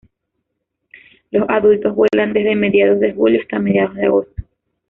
Los adultos vuelan desde mediados de julio hasta mediados de agosto.